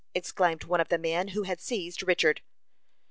exclaimed one of the men, who had seized Richard.